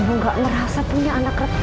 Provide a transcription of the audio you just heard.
ibu nggak merasa punya anak retno